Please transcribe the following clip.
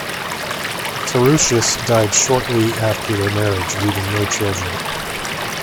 Tarutius died shortly after their marriage, leaving no children.